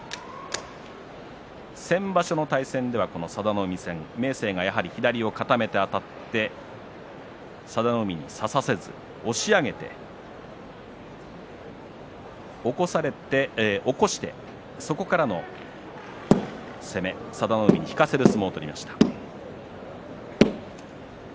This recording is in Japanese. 先場所の対戦では佐田の海戦明生がやはり左を固めてあたって佐田の海に差させず、押し上げて起こしてそこからの攻め佐田の海に引かせる相撲を取りました。